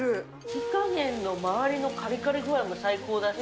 火加減のまわりのかりかり具合も最高だし。